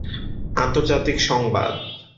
আন্তর্জাতিক সংবাদ।